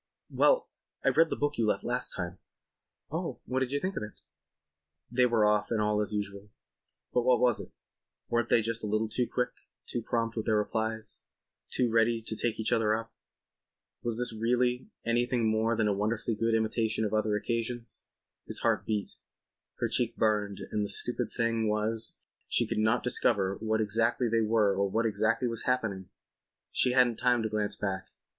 "Well, I read the book you left last time." "Oh, what do you think of it?" They were off and all was as usual. But was it? Weren't they just a little too quick, too prompt with their replies, too ready to take each other up? Was this really anything more than a wonderfully good imitation of other occasions? His heart beat; her cheek burned and the stupid thing was she could not discover where exactly they were or what exactly was happening. She hadn't time to glance back.